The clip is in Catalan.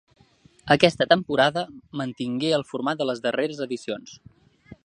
Aquesta temporada mantingué el format de les darreres edicions.